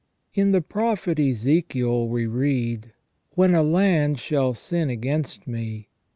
153 In the prophet Ezekiel we read: "When a land shall sin against me.